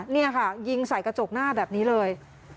นี่ค่ะยิงใส่กระจกหน้าแบบนี้เลย